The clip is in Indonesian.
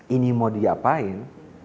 ini mau diapain